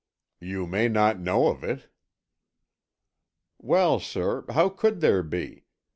"You may not know of it." "Well, sir, how could there be?